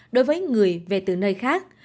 đối với người về từ nơi khác